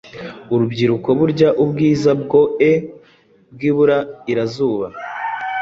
Urubyiruko, burya Ubwiza bwoe bwiburairazuba